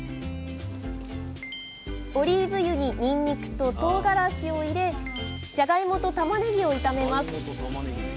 オリーブ油ににんにくととうがらしを入れじゃがいもとたまねぎを炒めます。